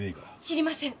・知りません。